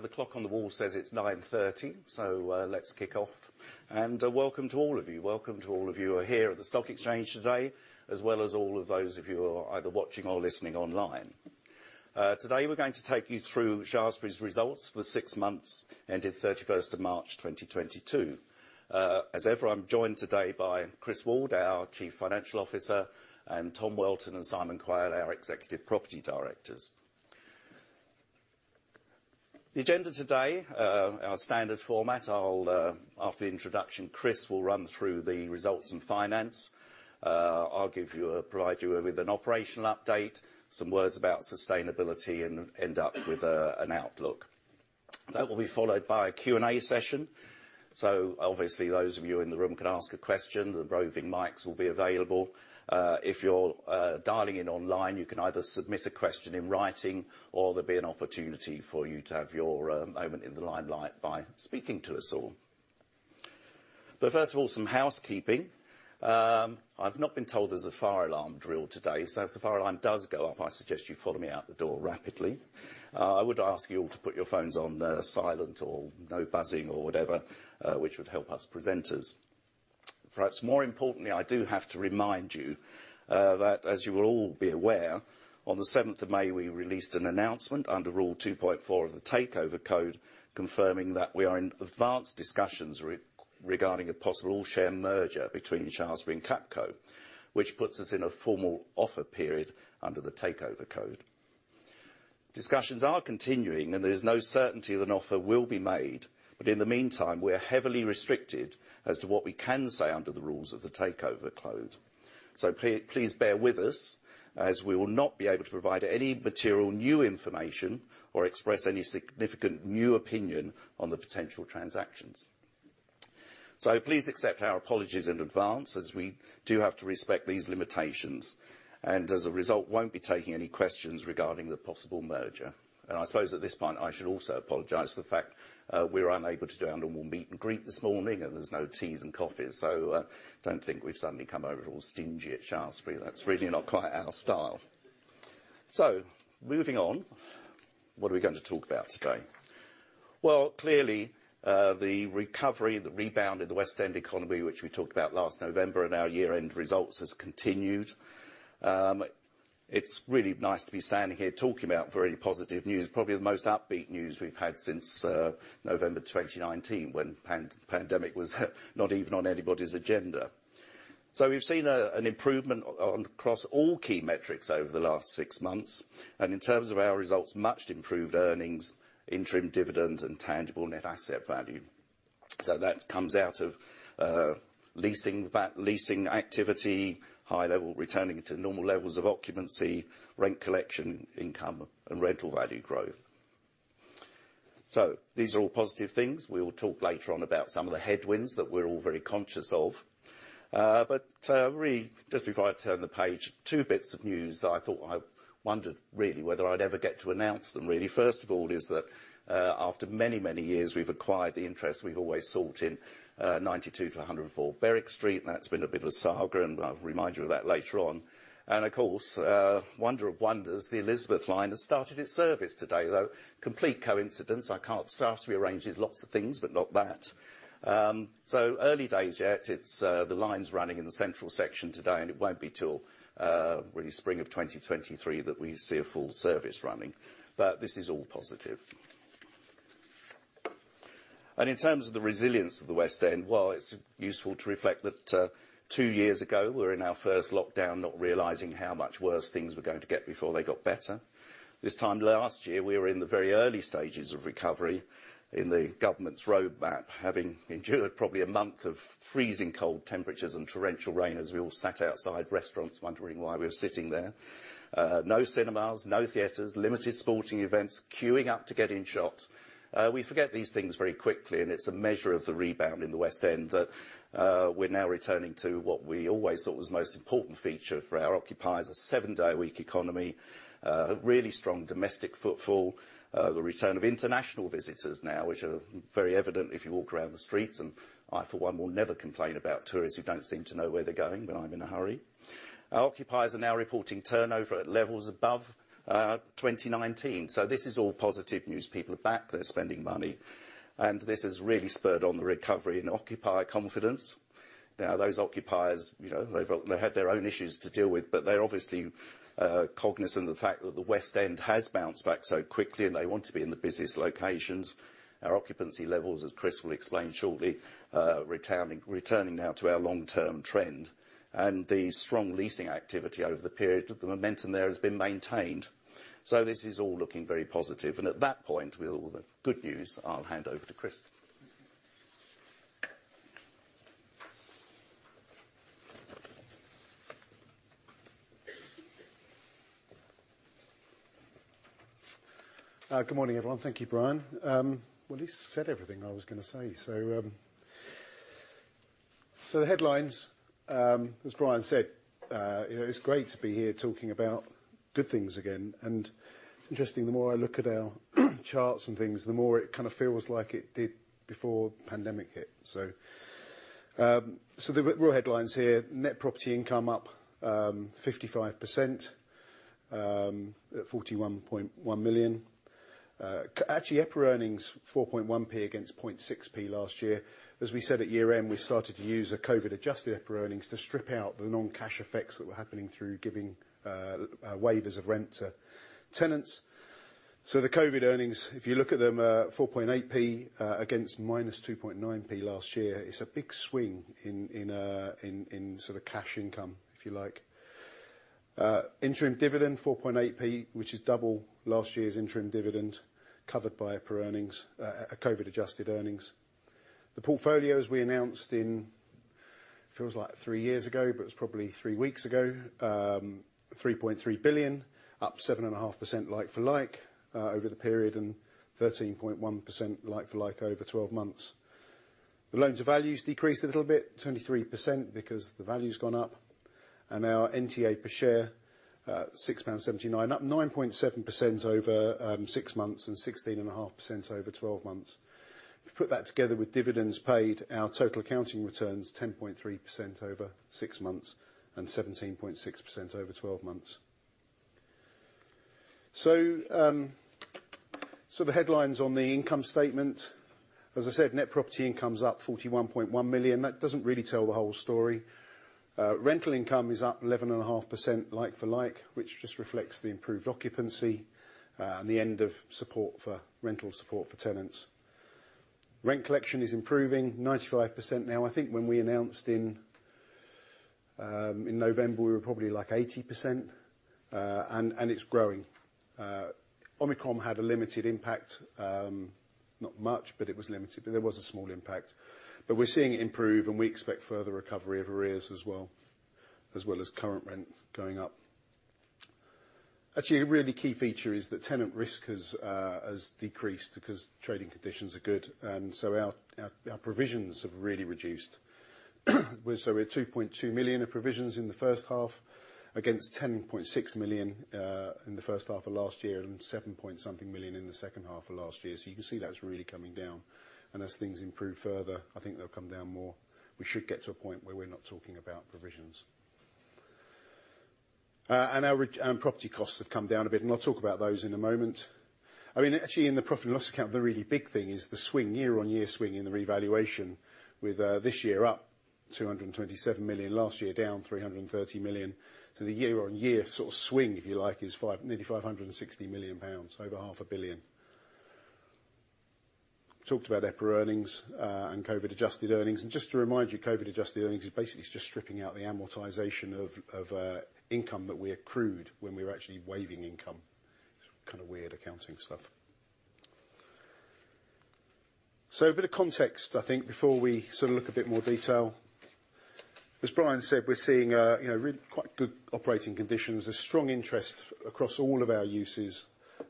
The clock on the wall says it's 9:30 A.M., so let's kick off. Welcome to all of you who are here at the Stock Exchange today, as well as all of those of you who are either watching or listening online. Today we're going to take you through Shaftesbury's results for six months, ending 31st of March 2022. As ever, I'm joined today by Chris Ward, our Chief Financial Officer, and Tom Welton and Simon Quayle, our Executive Property Directors. The agenda today, our standard format. After the introduction, Chris will run through the results and finance. I'll provide you with an operational update, some words about sustainability and end up with an outlook. That will be followed by a Q&A session. Obviously those of you in the room can ask a question, the roving mics will be available. If you're dialing in online, you can either submit a question in writing, or there'll be an opportunity for you to have your moment in the limelight by speaking to us all. First of all, some housekeeping. I've not been told there's a fire alarm drill today, so if the fire alarm does go off, I suggest you follow me out the door rapidly. I would ask you all to put your phones on silent or no buzzing or whatever, which would help us presenters. Perhaps more importantly, I do have to remind you that as you will all be aware, on the seventh of May, we released an announcement under Rule 2.4 of the Takeover Code, confirming that we are in advanced discussions regarding a possible all-share merger between Shaftesbury and CapCo, which puts us in a formal offer period under the Takeover Code. Discussions are continuing, and there is no certainty that an offer will be made. In the meantime, we are heavily restricted as to what we can say under the rules of the Takeover Code. Please bear with us, as we will not be able to provide any material new information or express any significant new opinion on the potential transactions. Please accept our apologies in advance as we do have to respect these limitations, and as a result, won't be taking any questions regarding the possible merger. I suppose at this point, I should also apologize for the fact, we're unable to do our normal meet and greet this morning, and there's no teas and coffees. Don't think we've suddenly come over all stingy at Shaftesbury. That's really not quite our style. Moving on, what are we going to talk about today? Clearly, the recovery, the rebound in the West End economy, which we talked about last November in our year-end results, has continued. It's really nice to be standing here talking about very positive news, probably the most upbeat news we've had since November 2019 when pandemic was not even on anybody's agenda. We've seen an improvement across all key metrics over the last six months. In terms of our results, much improved earnings, interim dividend and tangible net asset value. That comes out of leasing activity, high level, returning to normal levels of occupancy, rent collection income, and rental value growth. These are all positive things. We will talk later on about some of the headwinds that we're all very conscious of. Really just before I turn the page, two bits of news that I wondered really whether I'd ever get to announce them really. First of all, after many years, we've acquired the interest we've always sought in 92 to 104 Berwick Street. That's been a bit of a saga, and I'll remind you of that later on. Of course, wonder of wonders, the Elizabeth line has started its service today, though complete coincidence. Shaftesbury arranges lots of things, but not that. So early days yet, it's the line's running in the central section today, and it won't be till really spring of 2023 that we see a full service running. This is all positive. In terms of the resilience of the West End, well, it's useful to reflect that two years ago, we were in our first lockdown, not realizing how much worse things were going to get before they got better. This time last year, we were in the very early stages of recovery in the government's roadmap, having endured probably a month of freezing cold temperatures and torrential rain as we all sat outside restaurants wondering why we were sitting there. No cinemas, no theaters, limited sporting events, queuing up to get in shops. We forget these things very quickly, and it's a measure of the rebound in the West End that we're now returning to what we always thought was the most important feature for our occupiers, a seven-day week economy, really strong domestic footfall. The return of international visitors now, which are very evident if you walk around the streets, and I, for one, will never complain about tourists who don't seem to know where they're going, when I'm in a hurry. Our occupiers are now reporting turnover at levels above 2019. This is all positive news. People are back, they're spending money, and this has really spurred on the recovery in occupier confidence. Now, those occupiers, you know, they've, they had their own issues to deal with, but they're obviously cognizant of the fact that the West End has bounced back so quickly and they want to be in the busiest locations. Our occupancy levels, as Chris will explain shortly, returning now to our long-term trend. The strong leasing activity over the period, the momentum there has been maintained. This is all looking very positive. At that point, with all the good news, I'll hand over to Chris. Good morning, everyone. Thank you, Brian. Well, he said everything I was gonna say. The headlines, as Brian said, you know, it's great to be here talking about good things again. Interesting, the more I look at our charts and things, the more it kinda feels like it did before pandemic hit. The real headlines here, net property income up 55% at 41.1 million. Actually, EPRA earnings 4.1p against 0.6p last year. As we said at year-end, we started to use a Covid-adjusted EPRA earnings to strip out the non-cash effects that were happening through giving waivers of rent to tenants. The Covid earnings, if you look at them, 4.8p against -2.9p last year, is a big swing in sort of cash income, if you like. Interim dividend 4.8p, which is double last year's interim dividend, covered by EPRA earnings, Covid-adjusted earnings. The portfolios we announced in, feels like three years ago, but it's probably three weeks ago, 3.3 billion, up 7.5% like-for-like over the period, and 13.1% like-for-like over 12 months. The LTVs decreased a little bit, 23% because the value's gone up. Our NTA per share, 6.79 pounds, up 9.7% over six months and 16.5% over 12 months. If you put that together with dividends paid, our total accounting return's 10.3% over six months and 17.6% over 12 months. The headlines on the income statement. As I said, net property income's up 41.1 million. That doesn't really tell the whole story. Rental income is up 11.5% like-for-like, which just reflects the improved occupancy, and the end of rental support for tenants. Rent collection is improving, 95% now. I think when we announced in November, we were probably like 80%, and it's growing. Omicron had a limited impact, not much, but it was limited. There was a small impact. We're seeing it improve, and we expect further recovery of arrears as well as current rent going up. Actually, a really key feature is that tenant risk has decreased because trading conditions are good. So our provisions have really reduced. We're at 2.2 million in provisions in the H1 against 10.6 million in the H1 of last year, and seven .something million in the H2 of last year. You can see that's really coming down. As things improve further, I think they'll come down more. We should get to a point where we're not talking about provisions. Property costs have come down a bit, and I'll talk about those in a moment. I mean, actually, in the profit and loss account, the really big thing is the swing, year-on-year swing in the revaluation with this year up 227 million, last year down 330 million. The year-on-year sort of swing, if you like, is five, nearly 560 million pounds, over half a billion. Talked about EPRA earnings and Covid-adjusted earnings. Just to remind you, Covid-adjusted earnings is basically just stripping out the amortization of income that we accrued when we were actually waiving income. Kind of weird accounting stuff. A bit of context, I think, before we sort of look a bit more detail. As Brian said, we're seeing you know, really quite good operating conditions. There's strong interest across all of our uses.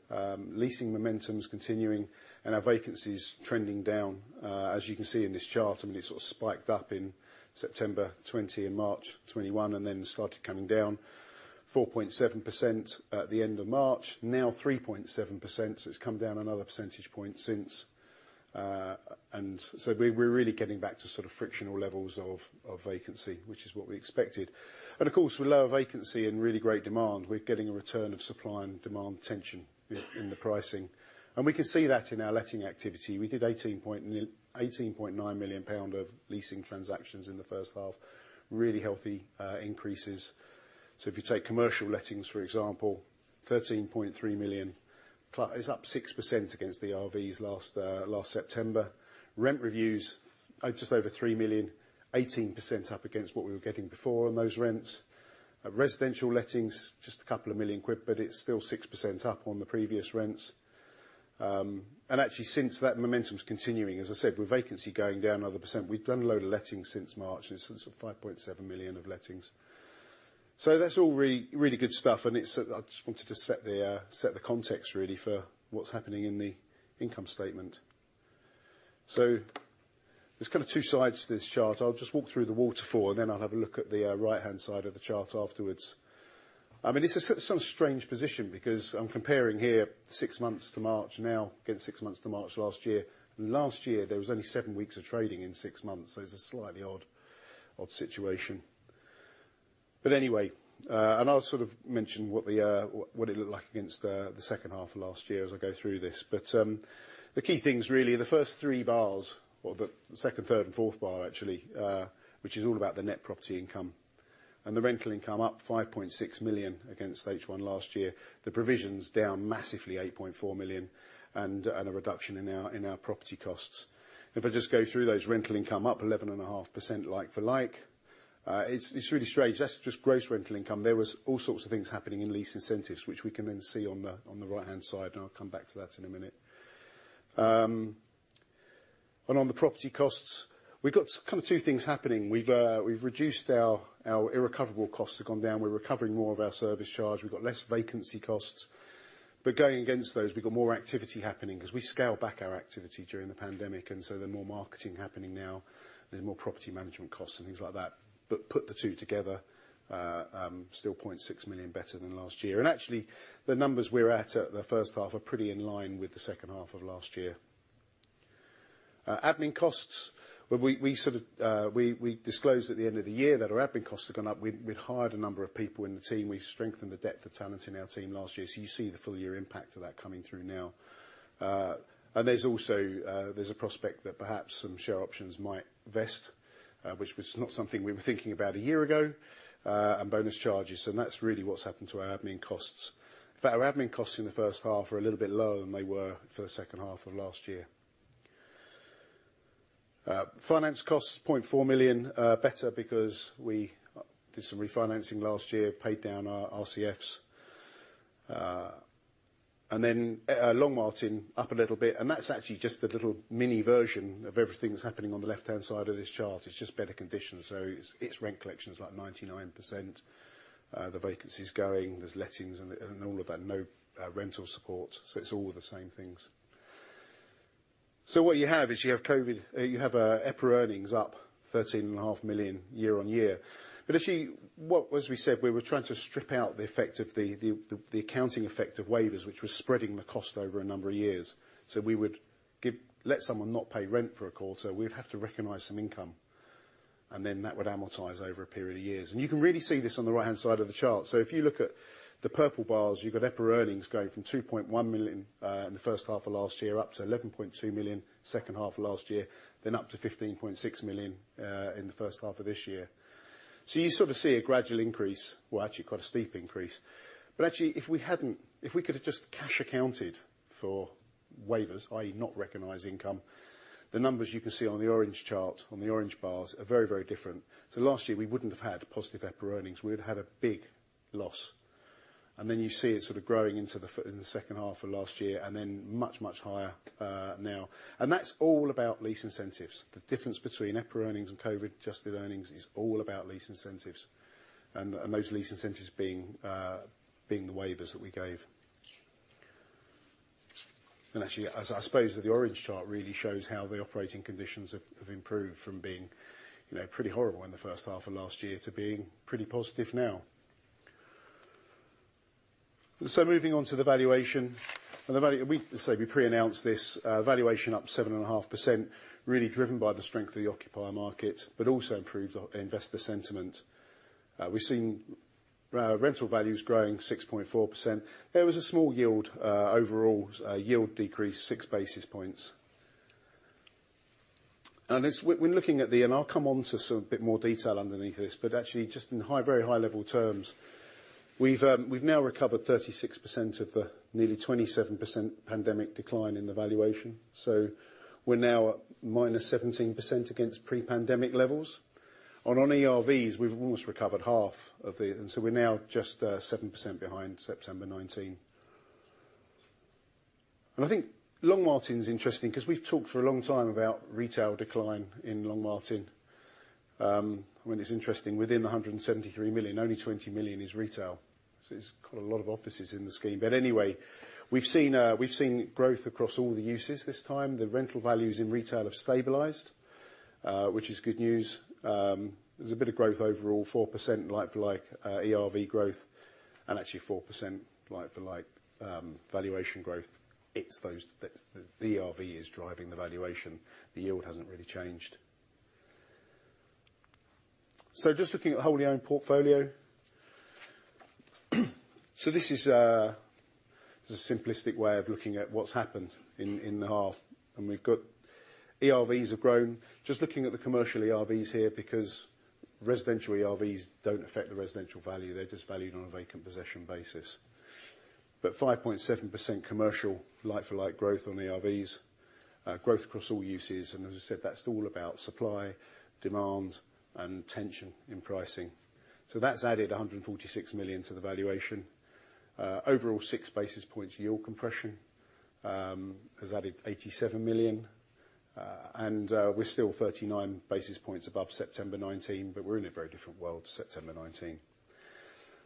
Leasing momentum's continuing and our vacancy's trending down. As you can see in this chart, I mean, it sort of spiked up in September 2020 and March 2021 and then started coming down. 4.7% at the end of March, now 3.7%, so it's come down another percentage point since. We're really getting back to sort of frictional levels of vacancy, which is what we expected. Of course, with lower vacancy and really great demand, we're getting a return of supply and demand tension in the pricing. We can see that in our letting activity. We did 18.9 million pound of leasing transactions in the H1. Really healthy increases. If you take commercial lettings, for example, 13.3 million. It's up 6% against the RVs last September. Rent reviews at just over 3 million, 18% up against what we were getting before on those rents. Residential lettings, just a couple of million GBP, but it's still 6% up on the previous rents. Actually, since that momentum's continuing, as I said, with vacancy going down another %. We've done a load of lettings since March. It's sort of 5.7 million of lettings. That's all really, really good stuff. I just wanted to set the context really for what's happening in the income statement. There's kind of two sides to this chart. I'll just walk through the waterfall, and then I'll have a look at the right-hand side of the chart afterwards. I mean, this is such a strange position because I'm comparing here six months to March now, against six months to March last year. Last year, there was only seven weeks of trading in six months, so it's a slightly odd situation. Anyway, I'll sort of mention what it looked like against the H2 of last year as I go through this. The key thing's really the first three bars, or the second, third and fourth bar actually, which is all about the net property income. The rental income up 5.6 million against H1 last year. The provisions down massively 8.4 million, and a reduction in our property costs. If I just go through those, rental income up 11.5% like-for-like. It's really strange. That's just gross rental income. There was all sorts of things happening in lease incentives, which we can then see on the right-hand side, and I'll come back to that in a minute. On the property costs, we've got kind of two things happening. We've reduced our irrecoverable costs. They've gone down. We're recovering more of our service charge. We've got less vacancy costs. But going against those, we've got more activity happening, 'cause we scaled back our activity during the pandemic, and so there's more marketing happening now. There's more property management costs and things like that. But put the two together, still 0.6 million better than last year. Actually, the numbers we're at in the H1 are pretty in line with the H2 of last year. Admin costs. We sort of disclosed at the end of the year that our admin costs have gone up. We hired a number of people in the team, we strengthened the depth of talent in our team last year, so you see the full year impact of that coming through now. There's a prospect that perhaps some share options might vest, which was not something we were thinking about a year ago, and bonus charges, and that's really what's happened to our admin costs. In fact, our admin costs in the H1 are a little bit lower than they were for the H2 of last year. Finance costs 0.4 million better because we did some refinancing last year, paid down our RCFs. Longmartin up a little bit, and that's actually just the little mini version of everything that's happening on the left-hand side of this chart. It's just better conditions. Its rent collection's like 99%. The vacancy's going, there's lettings and all of that. No, rental support, it's all of the same things. What you have is COVID. You have EPRA earnings up 13.5 million year-on-year. But actually, what, as we said, we were trying to strip out the effect of the accounting effect of waivers, which was spreading the cost over a number of years. We would give, let someone not pay rent for a quarter, we would have to recognize some income, and then that would amortize over a period of years. You can really see this on the right-hand side of the chart. If you look at the purple bars, you've got EPRA earnings going from 2.1 million in the H1 of last year, up to 11.2 million H2 of last year, then up to 15.6 million in the H1 of this year. You sort of see a gradual increase, well, actually quite a steep increase. Actually, if we hadn't, if we could have just cash accounted for waivers, i.e. not recognize income, the numbers you can see on the orange chart, on the orange bars, are very, very different. Last year, we wouldn't have had positive EPRA earnings. We'd have had a big loss. Then you see it sort of growing into the H2 of last year, and then much, much higher now. That's all about lease incentives. The difference between EPRA earnings and Covid-adjusted earnings is all about lease incentives, and those lease incentives being the waivers that we gave. Actually, as I suppose, that the orange chart really shows how the operating conditions have improved from being, you know, pretty horrible in the H1 of last year to being pretty positive now. Moving on to the valuation. As I say, we pre-announced this. Valuation up 7.5%, really driven by the strength of the occupier market, but also improved investor sentiment. We've seen rental values growing 6.4%. There was a small yield overall. Yield decreased six basis points. We're looking at the. I'll come on to sort of a bit more detail underneath this, but actually just in very high-level terms, we've now recovered 36% of the nearly 27% pandemic decline in the valuation. We're now at -17% against pre-pandemic levels. On ERVs, we've almost recovered half of the pandemic decline. We're now just 7% behind September 2019. I think Longmartin is interesting 'cause we've talked for a long time about retail decline in Longmartin. I mean, it's interesting, within the 173 million, only 20 million is retail. It's got a lot of offices in the scheme. Anyway, we've seen growth across all the uses this time. The rental values in retail have stabilized, which is good news. There's a bit of growth overall, 4% like-for-like ERV growth, and actually 4% like-for-like valuation growth. It's the ERV is driving the valuation. The yield hasn't really changed. Just looking at the wholly owned portfolio. This is a simplistic way of looking at what's happened in the half. We've got ERVs have grown. Just looking at the commercial ERVs here, because residential ERVs don't affect the residential value, they're just valued on a vacant possession basis. Five point 7% commercial like-for-like growth on ERVs growth across all uses and as I said, that's all about supply, demand, and tension in pricing. That's added 146 million to the valuation. Overall six basis points yield compression has added 87 million. We're still 39 basis points above September 2019, but we're in a very different world to September 2019.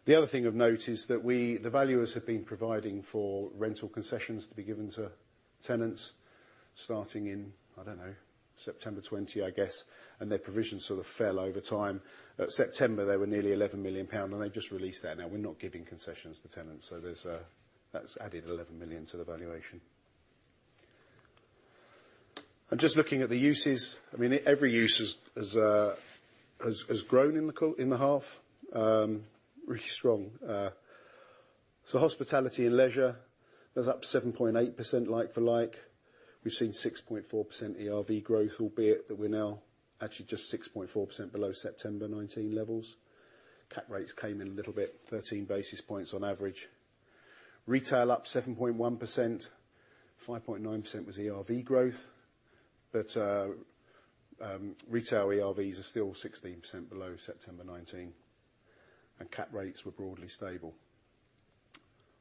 The other thing of note is that we, the valuers have been providing for rental concessions to be given to tenants starting in, I don't know, September 2020, I guess, and their provisions sort of fell over time. At September, they were nearly 11 million pound, and they've just released that. Now we're not giving concessions to tenants, so that's added 11 million to the valuation. Just looking at the uses, I mean, every use has grown in the half, really strong. Hospitality and leisure, that's up 7.8% like-for-like. We've seen 6.4% ERV growth, albeit that we're now actually just 6.4% below September 2019 levels. Cap rates came in a little bit, 13 basis points on average. Retail up 7.1%, 5.9% was ERV growth. Retail ERVs are still 16% below September 2019, and cap rates were broadly stable.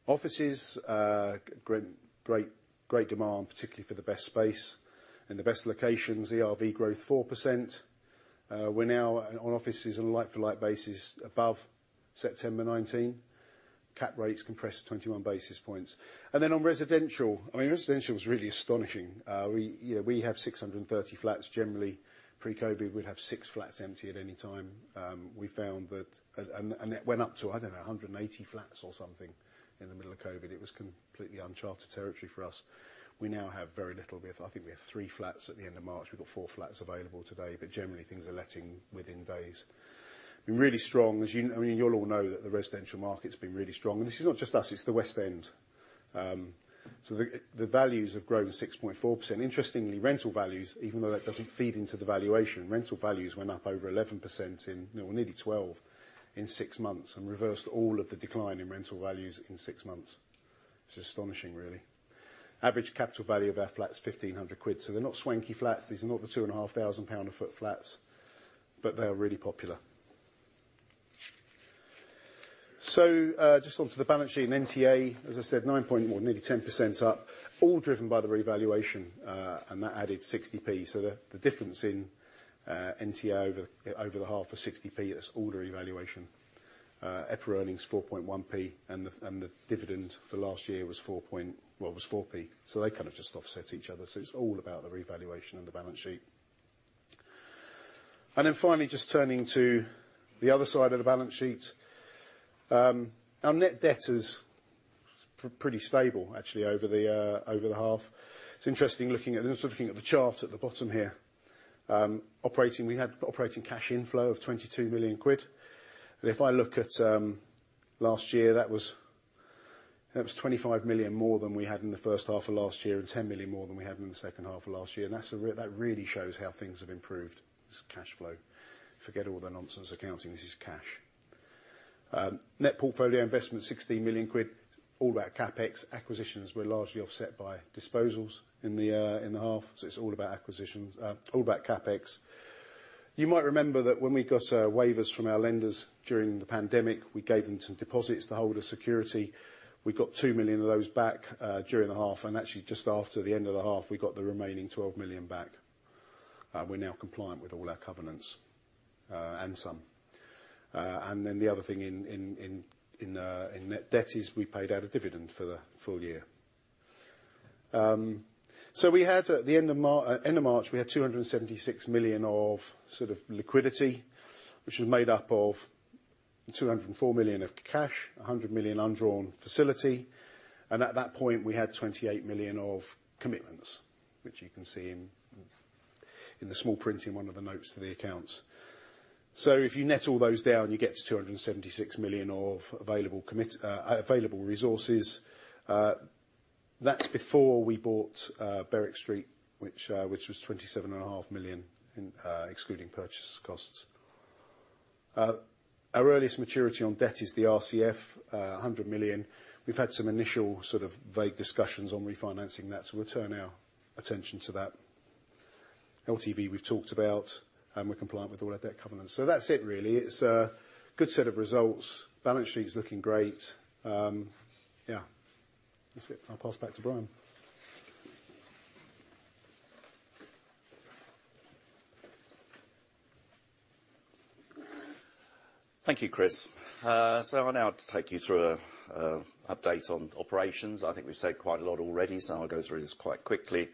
Offices great demand, particularly for the best space and the best locations. ERV growth 4%. We're now on offices on a like-for-like basis above September 2019. Cap rates compressed 21 basis points. On residential, I mean, residential is really astonishing. You know, we have 630 flats. Generally, pre-COVID, we'd have six flats empty at any time. We found that it went up to, I don't know, 180 flats or something in the middle of COVID. It was completely uncharted territory for us. We now have very little. We have, I think we have three flats at the end of March. We've got four flats available today. Generally, things are letting within days. Really strong, as you, I mean, you'll all know that the residential market's been really strong. This is not just us, it's the West End. The values have grown 6.4%. Interestingly, rental values, even though that doesn't feed into the valuation, rental values went up over 11% in, you know, nearly 12% in six months, and reversed all of the decline in rental values in six months. It's astonishing, really. Average capital value of our flats, 1,500 quid, so they're not swanky flats. These are not the 2,500 pound a foot flats, but they are really popular. Just onto the balance sheet. NTA, as I said, 9. Well nearly 10% up, all driven by the revaluation, and that added 60p. The difference in NTA over the half was 60p, that's all the revaluation. EPRA earnings 4.1p, and the dividend for last year was 4. Well, 4p. They kind of just offset each other. It's all about the revaluation and the balance sheet. Finally, just turning to the other side of the balance sheet. Our net debt is pretty stable, actually, over the half. It's interesting looking at, sort of looking at the chart at the bottom here. Operating, we had operating cash inflow of 22 million quid. If I look at last year, that was 25 million more than we had in the H1 of last year, and 10 million more than we had in the H2 of last year. That really shows how things have improved, this cash flow. Forget all the nonsense accounting, this is cash. Net portfolio investment 60 million quid, all about CapEx. Acquisitions were largely offset by disposals in the half, so it's all about acquisitions, all about CapEx. You might remember that when we got waivers from our lenders during the pandemic, we gave them some deposits to hold as security. We got 2 million of those back during the half, and actually just after the end of the half, we got the remaining 12 million back. We're now compliant with all our covenants, and some. The other thing in net debt is we paid out a dividend for the full year. We had at the end of March 276 million of sort of liquidity, which was made up of 204 million of cash, 100 million undrawn facility. At that point, we had 28 million of commitments, which you can see in the small print in one of the notes to the accounts. If you net all those down, you get to 276 million of available resources. That's before we bought Berwick Street, which was 27 and a half million GBP excluding purchase costs. Our earliest maturity on debt is the RCF, 100 million. We've had some initial sort of vague discussions on refinancing that, so we'll turn our attention to that. LTV we've talked about, and we're compliant with all our debt covenants. That's it really. It's a good set of results. Balance sheet's looking great. Yeah. That's it. I'll pass back to Brian. Thank you, Chris. I'll now take you through an update on operations. I think we've said quite a lot already, so I'll go through this quite quickly.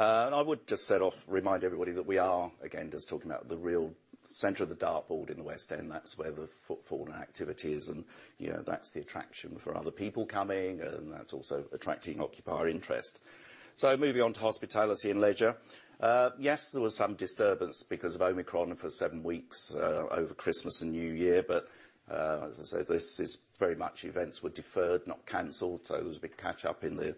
I would just remind everybody that we are, again, just talking about the real center of the dartboard in the West End. That's where the footfall and activity is and, you know, that's the attraction for other people coming, and that's also attracting occupier interest. Moving on to hospitality and leisure. Yes, there was some disturbance because of Omicron for seven weeks over Christmas and New Year. As I say, this is very much events were deferred, not canceled, so it was a big catch up in the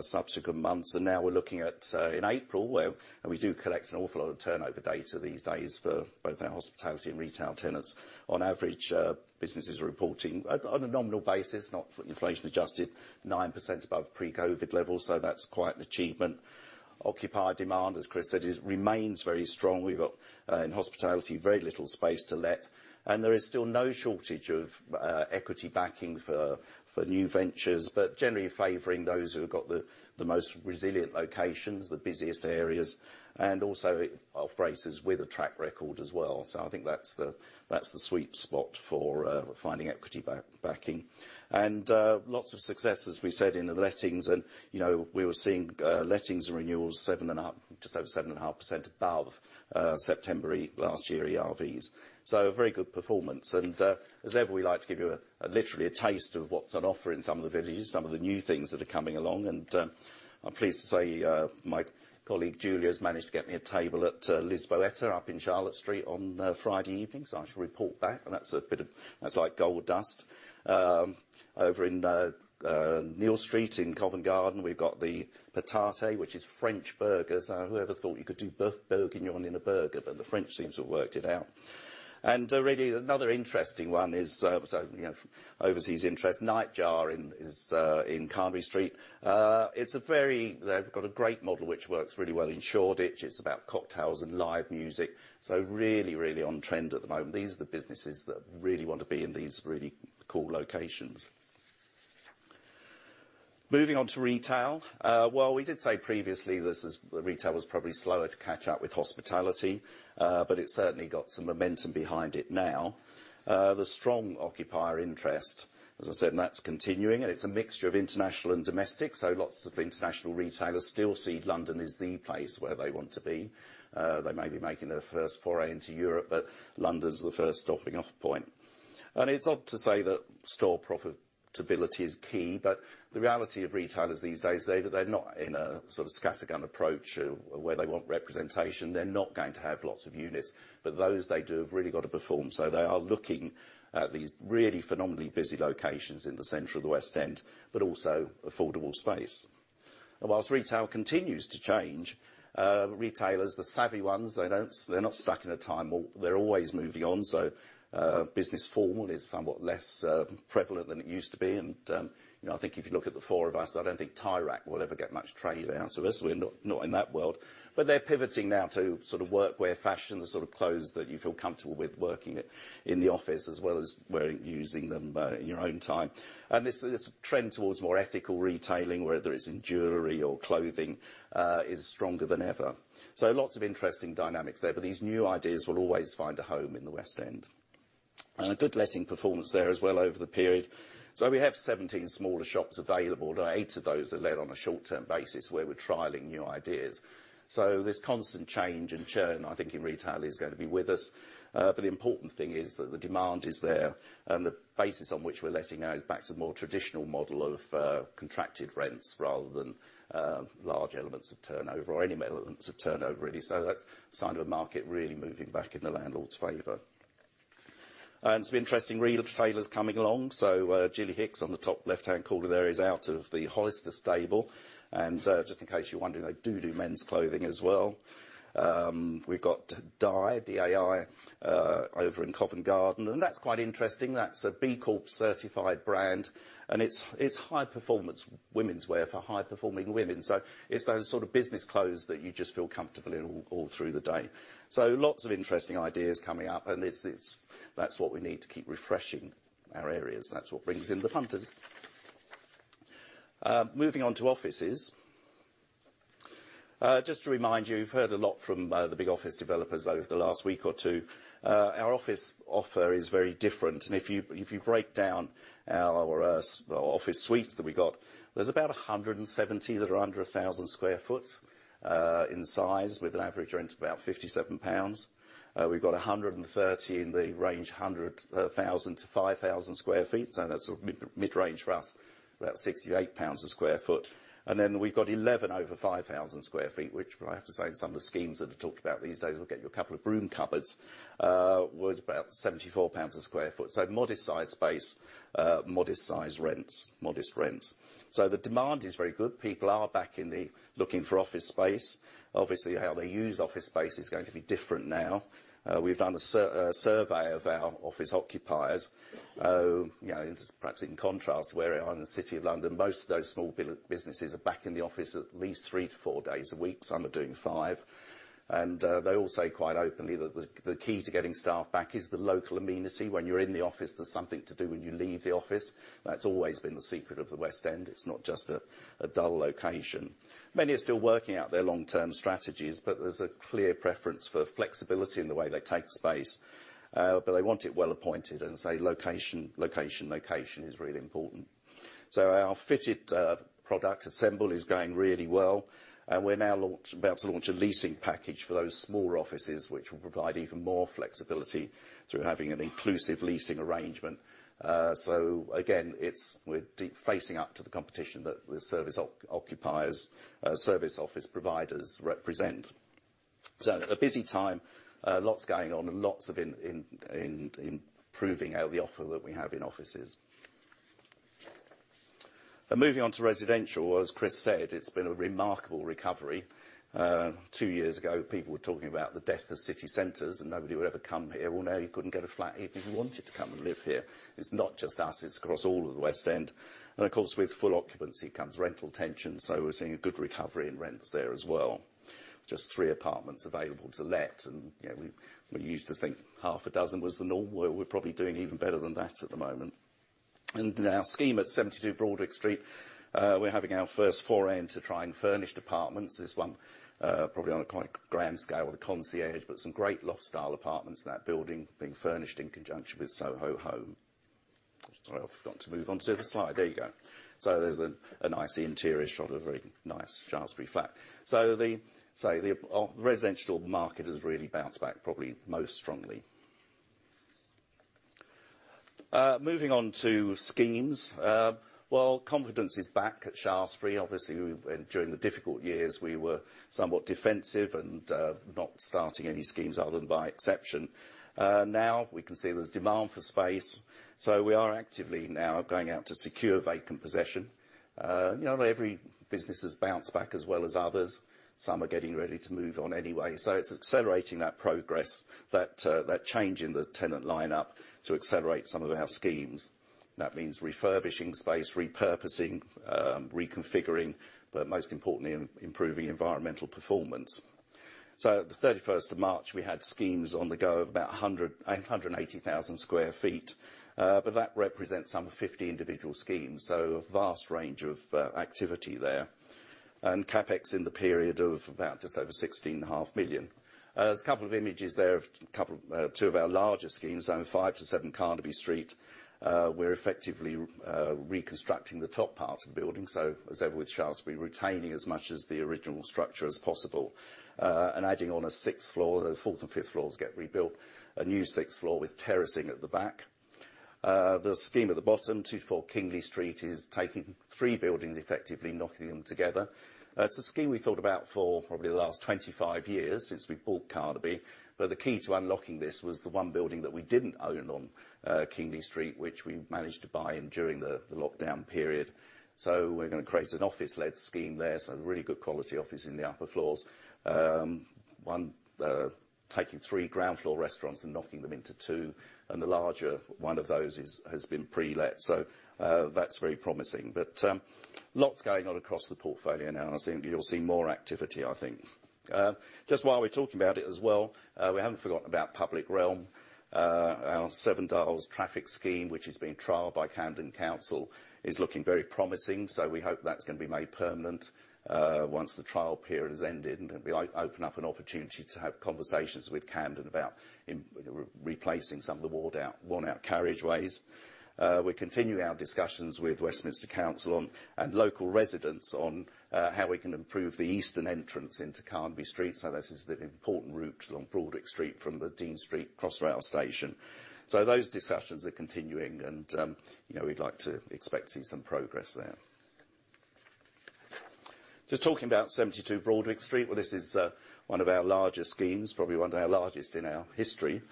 subsequent months. Now we're looking at in April, and we do collect an awful lot of turnover data these days for both our hospitality and retail tenants. On average, businesses are reporting on a nominal basis, not inflation adjusted, 9% above pre-COVID levels, so that's quite an achievement. Occupier demand, as Chris said, remains very strong. We've got in hospitality, very little space to let. There is still no shortage of equity backing for new ventures, but generally favoring those who have got the most resilient locations, the busiest areas, and also operators with a track record as well. So I think that's the sweet spot for finding equity backing. Lots of successes, we said, in the lettings. You know, we were seeing lettings and renewals 7.5, just over 7.5% above September last year ERVs. A very good performance. As ever, we like to give you a literally a taste of what's on offer in some of the villages, some of the new things that are coming along. I'm pleased to say my colleague Julia's managed to get me a table at Lisboeta up in Charlotte Street on Friday evening, so I shall report back, and that's a bit of, that's like gold dust. Over in Neal Street in Covent Garden, we've got the Patate, which is French burgers. Whoever thought you could do Boeuf Bourguignon in a burger? The French seem to have worked it out. Really another interesting one is, so, you know, overseas interest, Nightjar in Carnaby Street. It's a very. They've got a great model which works really well in Shoreditch. It's about cocktails and live music, so really on trend at the moment. These are the businesses that really want to be in these really cool locations. Moving on to retail. Well, we did say previously retail was probably slower to catch up with hospitality, but it's certainly got some momentum behind it now. The strong occupier interest, as I said, and that's continuing, and it's a mixture of international and domestic, so lots of international retailers still see London as the place where they want to be. They may be making their first foray into Europe, but London's the first stopping off point. It's odd to say that store profitability is key, but the reality of retailers these days is that they're not in a sort of scattergun approach where they want representation. They're not going to have lots of units, but those they do have really got to perform, so they are looking at these really phenomenally busy locations in the center of the West End, but also affordable space. While retail continues to change, retailers, the savvy ones, they're not stuck in a time warp. They're always moving on. Business formal is somewhat less prevalent than it used to be, and you know, I think if you look at the four of us, I don't think Tie Rack will ever get much trade out of us. We're not in that world. They're pivoting now to sort of work wear fashion, the sort of clothes that you feel comfortable with working in the office as well as wearing, using them in your own time. This trend towards more ethical retailing, whether it's in jewelry or clothing, is stronger than ever. Lots of interesting dynamics there, but these new ideas will always find a home in the West End. A good letting performance there as well over the period. We have 17 smaller shops available, eight of those are let on a short-term basis where we're trialing new ideas. This constant change and churn, I think, in retail is going to be with us. But the important thing is that the demand is there, and the basis on which we're letting out is back to the more traditional model of contracted rents rather than large elements of turnover or any elements of turnover, really. That's a sign of a market really moving back in the landlord's favor. Some interesting retailers coming along. Gilly Hicks on the top left-hand corner there is out of the Hollister stable, and just in case you're wondering, they do do men's clothing as well. We've got Dai, D-A-I, over in Covent Garden, and that's quite interesting. That's a B Corp-certified brand, and it's high-performance womenswear for high-performing women. It's those sort of business clothes that you just feel comfortable in all through the day. Lots of interesting ideas coming up, and it's, that's what we need to keep refreshing our areas. That's what brings in the punters. Moving on to offices. Just to remind you've heard a lot from the big office developers over the last week or two. Our office offer is very different, and if you break down our office suites that we got, there are about 170 that are under 1,000 sq ft in size with an average rent of about 57 pounds. We have 130 in the range 1,000-5,000 sq ft. That's sort of mid-range for us, about 68 GBP/sq ft. Then we've got 11,500 sq ft which, well, I have to say in some of the schemes that are talked about these days will get you a couple of broom cupboards, was about 74 GBP/sq ft. Modest size space, modest size rents, modest rent. The demand is very good. People are back looking for office space. Obviously, how they use office space is going to be different now. We've done a survey of our office occupiers. You know, perhaps in contrast to where we are in the City of London, most of those small businesses are back in the office at least three to four days a week. Some are doing five. They all say quite openly that the key to getting staff back is the local amenity. When you're in the office, there's something to do when you leave the office. That's always been the secret of the West End. It's not just a dull location. Many are still working out their long-term strategies, but there's a clear preference for flexibility in the way they take space. They want it well-appointed and say location, location is really important. Our fitted product, Assemble, is going really well, and we are about to launch a leasing package for those small offices which will provide even more flexibility through having an inclusive leasing arrangement. Again, it's we are deeply facing up to the competition that the serviced office providers represent. A busy time, lots going on and lots of improving on the offer that we have in offices. Moving on to residential, as Chris said, it's been a remarkable recovery. Two years ago, people were talking about the death of city centers, and nobody would ever come here. Well, now you couldn't get a flat even if you wanted to come and live here. It's not just us, it's across all of the West End. Of course, with full occupancy comes rental tension, so we're seeing a good recovery in rents there as well. Just three apartments available to let, and you know, we used to think half a dozen was the norm. Well, we're probably doing even better than that at the moment. Our scheme at 72 Broadwick Street, we're having our first foray into trying furnished apartments. This one, probably on a quite grand scale with a concierge, but some great loft-style apartments in that building being furnished in conjunction with Soho Home. Sorry, I've forgot to move on to the slide. There you go. There's a nice interior shot, a very nice Shaftesbury flat. Say, the residential market has really bounced back probably most strongly. Moving on to schemes. Confidence is back at Shaftesbury. Obviously, we, during the difficult years, we were somewhat defensive and, not starting any schemes other than by exception. Now we can see there's demand for space, so we are actively now going out to secure vacant possession. You know, not every business has bounced back as well as others. Some are getting ready to move on anyway. It's accelerating that progress, that change in the tenant line-up to accelerate some of our schemes. That means refurbishing space, repurposing, reconfiguring, but most importantly, improving environmental performance. At the 31st of March, we had schemes on the go of about 108,000 sq ft. But that represents some 50 individual schemes, so a vast range of activity there. CapEx in the period of about just over 16.5 million. There's a couple of images there of two of our larger schemes, five to seven Carnaby Street. We're effectively reconstructing the top part of the building, so as ever with Shaftesbury, retaining as much of the original structure as possible, and adding on a sixth floor. The fourth and fifth floors get rebuilt. A new sixth floor with terracing at the back. The scheme at the bottom, two-four Kingly Street, is taking three buildings, effectively knocking them together. It's a scheme we thought about for probably the last 25 years since we bought Carnaby, but the key to unlocking this was the one building that we didn't own on Kingly Street, which we managed to buy in during the lockdown period. We're gonna create an office-led scheme there, so really good quality office in the upper floors. One taking three ground floor restaurants and knocking them into two, and the larger one of those has been pre-let, so that's very promising. Lots going on across the portfolio now, and I think you'll see more activity, I think. Just while we're talking about it as well, we haven't forgotten about public realm. Our Seven Dials traffic scheme, which is being trialed by Camden Council, is looking very promising, so we hope that's gonna be made permanent once the trial period has ended, and it'll be like open up an opportunity to have conversations with Camden about replacing some of the worn out carriageways. We're continuing our discussions with Westminster City Council on, and local residents on, how we can improve the eastern entrance into Carnaby Street. This is an important route along Broadwick Street from the Dean Street Crossrail station. Those discussions are continuing and, you know, we'd like to expect to see some progress there. Just talking about 72 Broadwick Street. Well, this is one of our larger schemes, probably one of our largest in our history.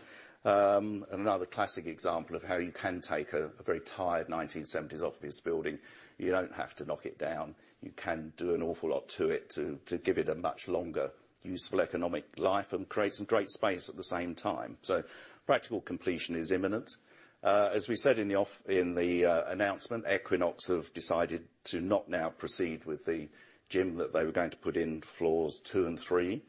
Another classic example of how you can take a very tired 1970s office building. You don't have to knock it down. You can do an awful lot to it to give it a much longer, useful economic life and create some great space at the same time. Practical completion is imminent. As we said in the announcement, Equinox have decided to not now proceed with the gym that they were going to put in floors two and three,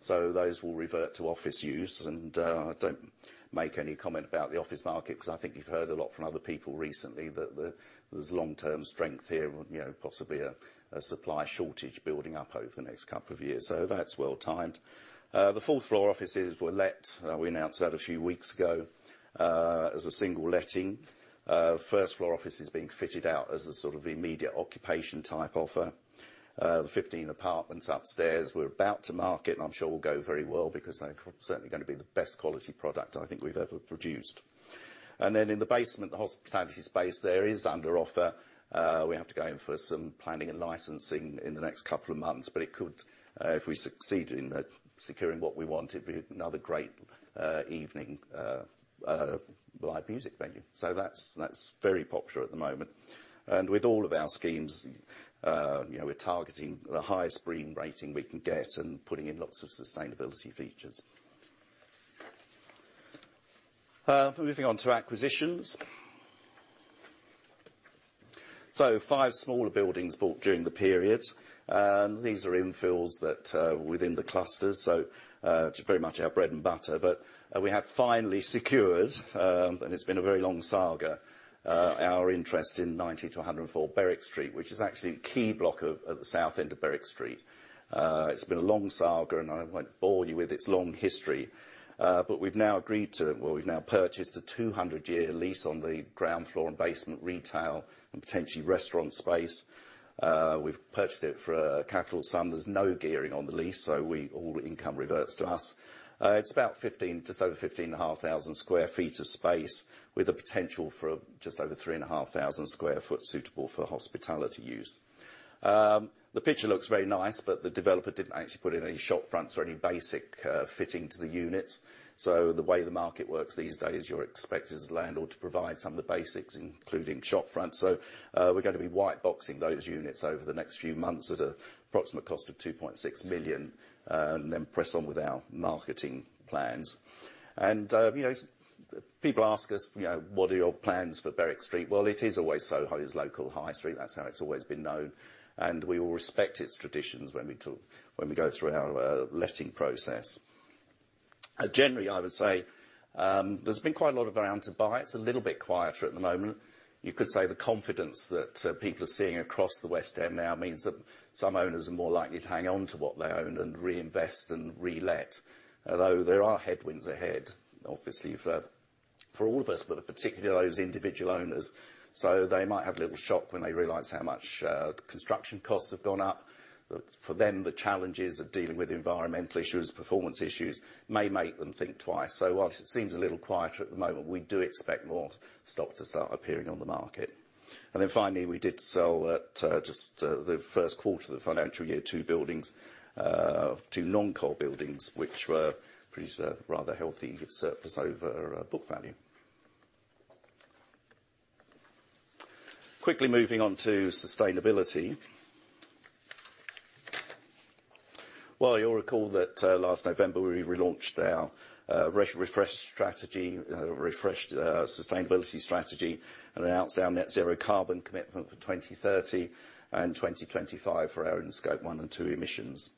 so those will revert to office use. Don't make any comment about the office market, because I think you've heard a lot from other people recently that the, there's long-term strength here, you know, possibly a supply shortage building up over the next couple of years. So that's well-timed. The fourth floor offices were let, we announced that a few weeks ago, as a single letting. First floor office is being fitted out as a sort of immediate occupation type offer. The 15 apartments upstairs we're about to market, and I'm sure will go very well because they're certainly gonna be the best quality product I think we've ever produced. Then in the basement, the hospitality space there is under offer. We have to go in for some planning and licensing in the next couple of months, but it could, if we succeed in securing what we want, it'd be another great evening live music venue. That's very popular at the moment. With all of our schemes, you know, we're targeting the highest BREEAM rating we can get and putting in lots of sustainability features. Moving on to acquisitions. Five smaller buildings bought during the period. These are infills within the clusters, pretty much our bread and butter. We have finally secured, and it's been a very long saga, our interest in 90 to 104 Berwick Street, which is actually a key block of the south end of Berwick Street. It's been a long saga, and I won't bore you with its long history. Well, we've now purchased a 200-year lease on the ground floor and basement retail and potentially restaurant space. We've purchased it for a capital sum. There's no gearing on the lease, so all income reverts to us. It's about 15, just over 15.5 thousand sq ft of space with a potential for just over 3.5 thousand sq ft suitable for hospitality use. The picture looks very nice, but the developer didn't actually put in any shop fronts or any basic fitting to the units. The way the market works these days, you're expected as a landlord to provide some of the basics, including shop front. We're gonna be white boxing those units over the next few months at an approximate cost of 2.6 million, and then press on with our marketing plans. You know, people ask us, you know, "What are your plans for Berwick Street?" Well, it is always Soho's local high street. That's how it's always been known, and we will respect its traditions when we go through our letting process. Generally, I would say, there's been quite a lot of activity to buy. It's a little bit quieter at the moment. You could say the confidence that people are seeing across the West End now means that some owners are more likely to hang on to what they own and reinvest and relet. Although there are headwinds ahead, obviously for all of us, but particularly those individual owners. They might have a little shock when they realize how much construction costs have gone up. For them, the challenges of dealing with environmental issues, performance issues, may make them think twice. While it seems a little quieter at the moment, we do expect more stock to start appearing on the market. Then finally, we did sell in just the Q1 of the financial year two non-core buildings, which were produced a rather healthy surplus over book value. Quickly moving on to sustainability. Well, you'll recall that last November, we relaunched our refreshed sustainability strategy, and announced our net zero carbon commitment for 2030 and 2025 for our own Scope 1 and 2 emissions.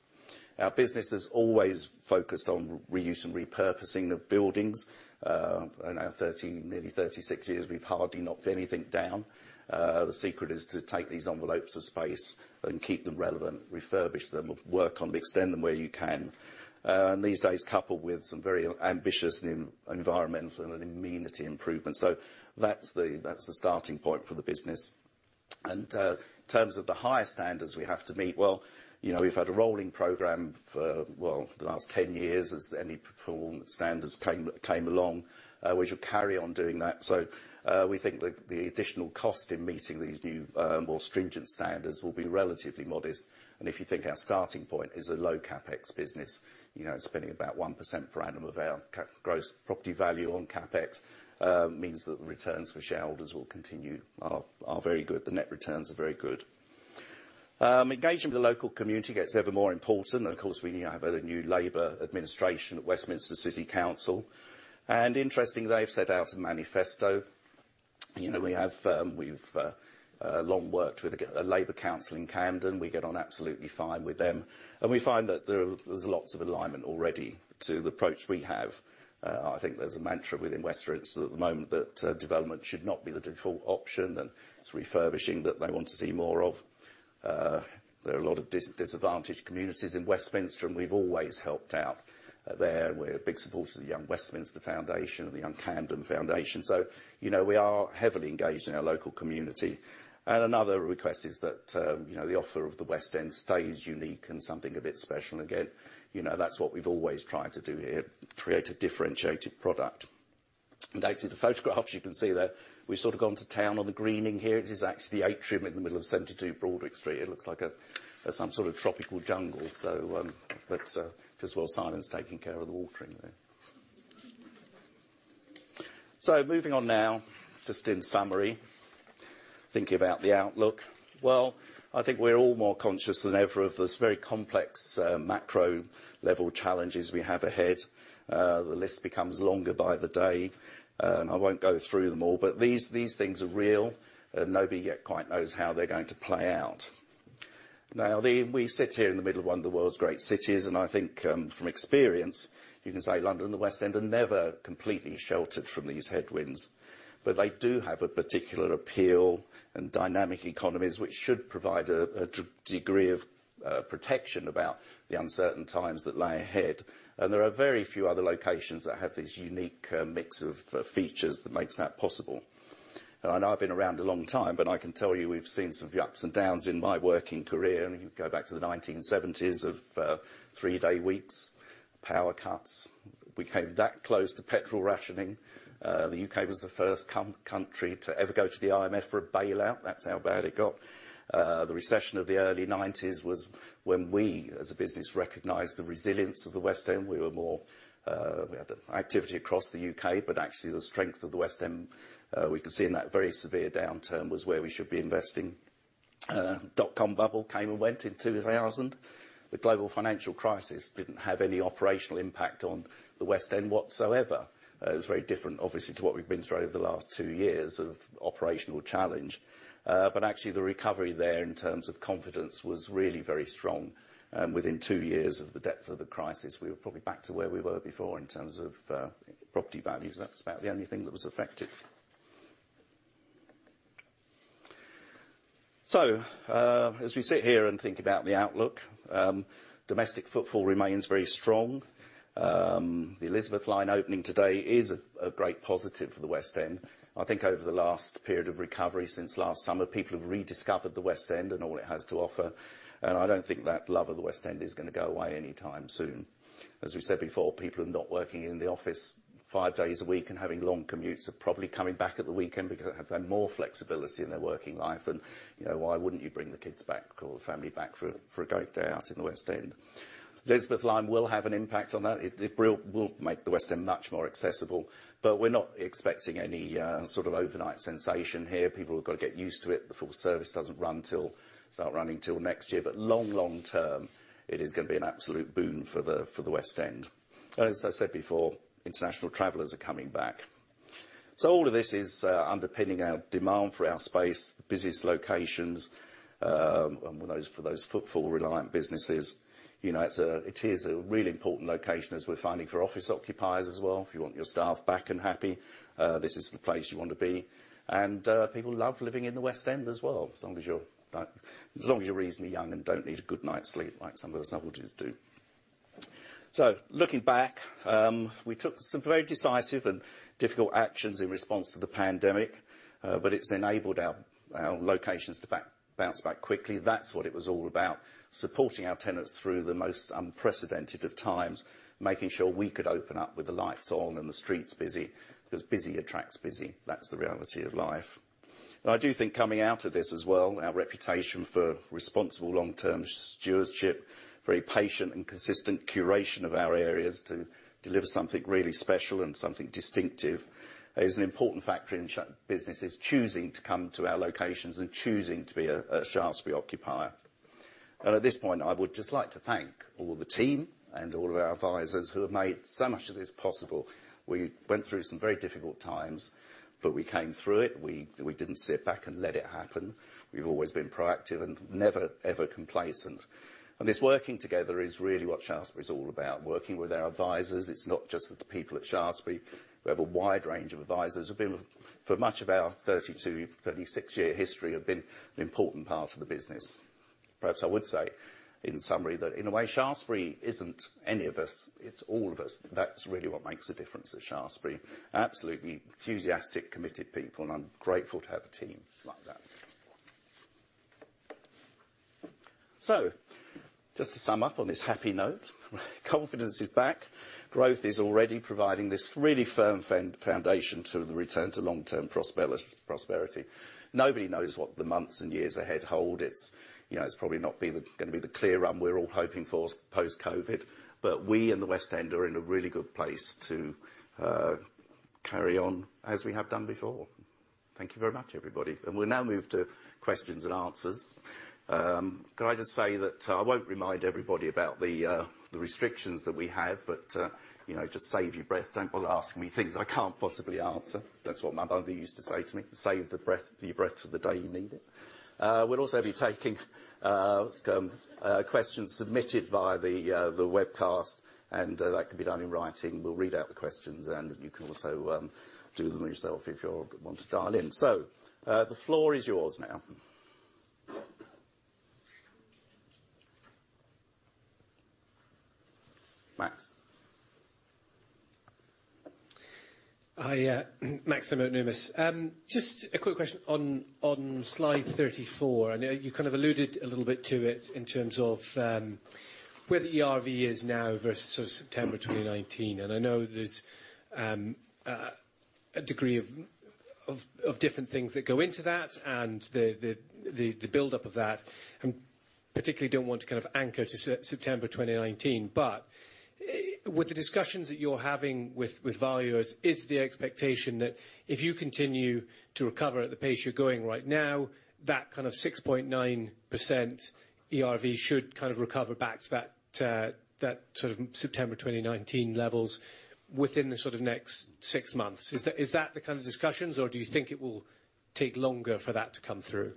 Our business has always focused on reuse and repurposing of buildings. In our 30, nearly 36 years, we've hardly knocked anything down. The secret is to take these envelopes of space and keep them relevant, refurbish them, work on, extend them where you can. These days, coupled with some very ambitious environmental and amenity improvements. That's the starting point for the business. In terms of the higher standards we have to meet, well, you know, we've had a rolling program for, well, the last 10 years as any performance standards came along. We should carry on doing that. We think the additional cost in meeting these new, more stringent standards will be relatively modest. If you think our starting point is a low CapEx business, you know, spending about 1% per annum of our gross property value on CapEx means that the returns for shareholders will continue, are very good. The net returns are very good. Engagement with the local community gets evermore important. Of course, we now have a new labor administration at Westminster City Council. Interesting, they've set out a manifesto. You know, we've long worked with a labor council in Camden. We get on absolutely fine with them. We find that there's lots of alignment already to the approach we have. I think there's a mantra within Westminster at the moment that development should not be the default option, and it's refurbishing that they want to see more of. There are a lot of disadvantaged communities in Westminster, and we've always helped out there. We're big supporters of the Young Westminster Foundation and the Young Camden Foundation. You know, we are heavily engaged in our local community. Another request is that, you know, the offer of the West End stays unique and something a bit special. Again, you know, that's what we've always tried to do here, create a differentiated product. Actually, the photographs you can see there, we've sort of gone to town on the greening here. It is actually the atrium in the middle of 72 Broadwick Street. It looks like some sort of tropical jungle. Just while Simon's taking care of the watering there. Moving on now, just in summary, thinking about the outlook. Well, I think we're all more conscious than ever of this very complex macro-level challenges we have ahead. The list becomes longer by the day. I won't go through them all, but these things are real, and nobody yet quite knows how they're going to play out. We sit here in the middle of one of the world's great cities, and I think, from experience, you can say London and the West End are never completely sheltered from these headwinds. But they do have a particular appeal and dynamic economies, which should provide a degree of protection against the uncertain times that lie ahead. There are very few other locations that have this unique mix of features that makes that possible. I know I've been around a long time, but I can tell you, we've seen some of the ups and downs in my working career. You go back to the 1970s of three-day weeks, power cuts. We came that close to petrol rationing. The U.K. was the first country to ever go to the IMF for a bailout. That's how bad it got. The recession of the early 1990s was when we, as a business, recognized the resilience of the West End. We had activity across the U.K., but actually the strength of the West End we could see in that very severe downturn was where we should be investing. Dot-com bubble came and went in 2000. The global financial crisis didn't have any operational impact on the West End whatsoever. It was very different, obviously, to what we've been through over the last two years of operational challenge. But actually the recovery there in terms of confidence was really very strong. Within two years of the depth of the crisis, we were probably back to where we were before in terms of property values. That's about the only thing that was affected. As we sit here and think about the outlook, domestic footfall remains very strong. The Elizabeth line opening today is a great positive for the West End. I think over the last period of recovery since last summer, people have rediscovered the West End and all it has to offer, and I don't think that love of the West End is gonna go away anytime soon. As we said before, people are not working in the office five days a week and having long commutes are probably coming back at the weekend because they have more flexibility in their working life. You know, why wouldn't you bring the kids back or the family back for a great day out in the West End? Elizabeth line will have an impact on that. It will make the West End much more accessible, but we're not expecting any sort of overnight sensation here. People have got to get used to it. The full service doesn't start running till next year, but long term, it is gonna be an absolute boon for the West End. As I said before, international travelers are coming back. All of this is underpinning our demand for our space, the busiest locations, and those footfall-reliant businesses. You know, it is a really important location, as we're finding for office occupiers as well. If you want your staff back and happy, this is the place you want to be. People love living in the West End as well, as long as you're reasonably young and don't need a good night's sleep like some of us oldies do. Looking back, we took some very decisive and difficult actions in response to the pandemic, but it's enabled our locations to bounce back quickly. That's what it was all about, supporting our tenants through the most unprecedented of times, making sure we could open up with the lights on and the streets busy, because busy attracts busy. That's the reality of life. I do think coming out of this as well, our reputation for responsible long-term stewardship, very patient and consistent curation of our areas to deliver something really special and something distinctive is an important factor in shaping businesses choosing to come to our locations and choosing to be a Shaftesbury occupier. At this point, I would just like to thank all the team and all of our advisors who have made so much of this possible. We went through some very difficult times, but we came through it. We didn't sit back and let it happen. We've always been proactive and never, ever complacent. This working together is really what Shaftesbury is all about, working with our advisors. It's not just the people at Shaftesbury. We have a wide range of advisors we've been with for much of our 32-36-year history have been an important part of the business. Perhaps I would say in summary that in a way, Shaftesbury isn't any of us, it's all of us. That's really what makes a difference at Shaftesbury. Absolutely enthusiastic, committed people, and I'm grateful to have a team like that. Just to sum up on this happy note, confidence is back. Growth is already providing this really firm foundation to the return to long-term prosperity. Nobody knows what the months and years ahead hold. It's, you know, it's probably not going to be the clear run we're all hoping for post-COVID. We in the West End are in a really good place to carry on as we have done before. Thank you very much, everybody. We'll now move to questions and answers. Can I just say that, I won't remind everybody about the restrictions that we have, but you know, just save your breath. Don't bother asking me things I can't possibly answer. That's what my mother used to say to me, "Save the breath, your breath for the day you need it." We'll also be taking some questions submitted via the webcast, and that can be done in writing. We'll read out the questions, and you can also do them yourself if you want to dial in. The floor is yours now. Max? Hiya. Max from Numis. Just a quick question on slide 34. I know you kind of alluded a little bit to it in terms of where the ERV is now versus September 2019. I know there's a degree of different things that go into that and the buildup of that, and particularly don't want to kind of anchor to September 2019. With the discussions that you're having with valuers, is the expectation that if you continue to recover at the pace you're going right now, that kind of 6.9% ERV should kind of recover back to that sort of September 2019 levels within the sort of next six months? Is that the kind of discussions, or do you think it will take longer for that to come through?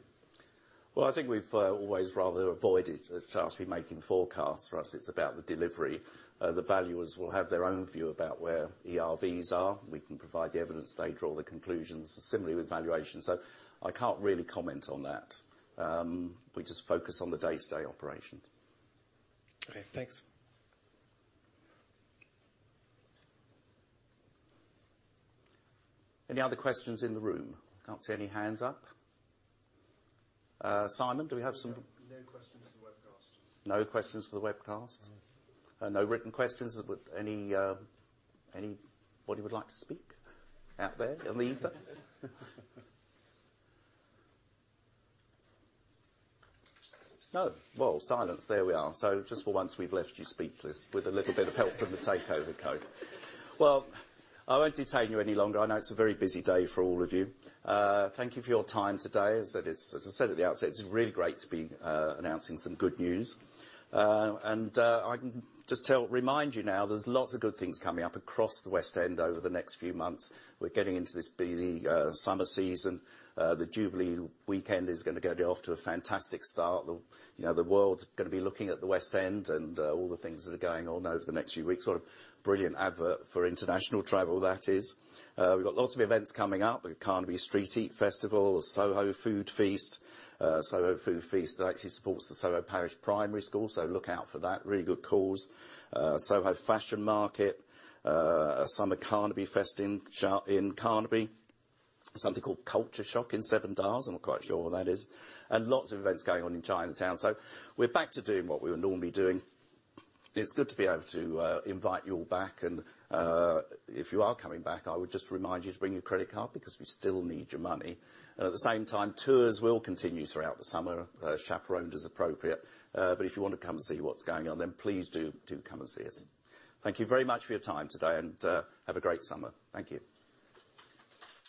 Well, I think we've always rather avoided at Shaftesbury making forecasts. For us, it's about the delivery. The valuers will have their own view about where ERVs are. We can provide the evidence, they draw the conclusions, similarly with valuations. I can't really comment on that. We just focus on the day-to-day operations. Okay, thanks. Any other questions in the room? Can't see any hands up. Simon, do we have some? No questions for the webcast. No questions for the webcast. No. No written questions. Would anybody like to speak out there in the ether? No? Well, silence. There we are. Just for once, we've left you speechless with a little bit of help from the takeover code. Well, I won't detain you any longer. I know it's a very busy day for all of you. Thank you for your time today. As I said at the outset, it's really great to be announcing some good news. I can just remind you now there's lots of good things coming up across the West End over the next few months. We're getting into this busy summer season. The Jubilee weekend is gonna get off to a fantastic start. The, you know, the world's gonna be looking at the West End and all the things that are going on over the next few weeks. What a brilliant advert for international travel, that is. We've got lots of events coming up. The Carnaby Street Eat, the Soho Food Feast. Soho Food Feast that actually supports the Soho Parish Primary School, so look out for that. Really good cause. Soho Fashion Market, Carnaby Summer Festival in Carnaby. Something called Culture Shock in Seven Dials. I'm not quite sure what that is. Lots of events going on in Chinatown. We're back to doing what we were normally doing. It's good to be able to invite you all back and if you are coming back, I would just remind you to bring your credit card because we still need your money. At the same time, tours will continue throughout the summer, chaperoned as appropriate. If you want to come and see what's going on, then please do come and see us. Thank you very much for your time today, and have a great summer. Thank you.